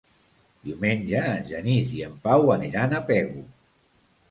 Diumenge en Genís i en Pau aniran a Pego.